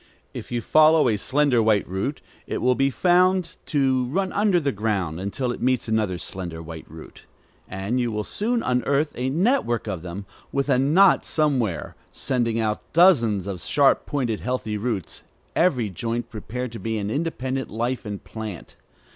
If you follow a slender white root, it will be found to run under the ground until it meets another slender white root; and you will soon unearth a network of them, with a knot somewhere, sending out dozens of sharp pointed, healthy shoots, every joint prepared to be an independent life and plant.